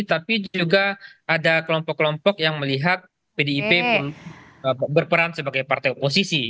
tapi juga ada kelompok kelompok yang melihat pdip berperan sebagai partai oposisi